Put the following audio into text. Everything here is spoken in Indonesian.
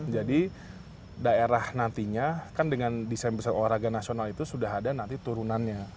jadi daerah nantinya kan dengan desain besar olahraga nasional itu sudah ada nanti turunannya